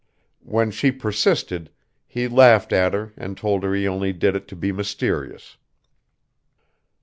When she persisted, he laughed at her and told her he only did it to be mysterious.